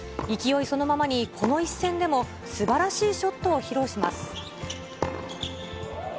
勢いそのままにこの一戦でも、すばらしいショットを披露します。